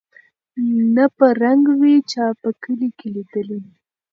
نه په رنګ وې چا په کلي کي لیدلی